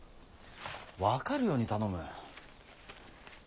分かるように頼む。